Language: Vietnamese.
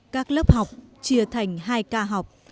các lớp học chia thành hai ca học